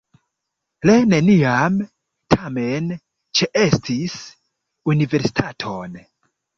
Li neniam, tamen, ĉeestis universitaton.